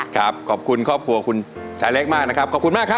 ขอบคุณครอบครัวคุณชายเล็กมากนะครับขอบคุณมากครับ